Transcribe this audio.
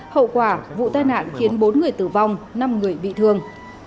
hậu quả vụ tai nạn khiến bốn người tử vong năm người bị thương